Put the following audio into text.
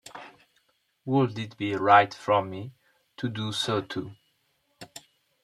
Would it be right for me to do so too?